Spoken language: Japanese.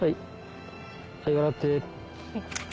はい笑って。